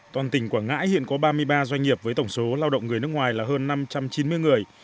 toàn tỉnh quảng ngãi hiện có ba mươi ba doanh nghiệp với tổng số lao động người nước ngoài là hơn năm trăm chín mươi người